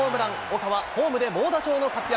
岡はホームで猛打賞の活躍。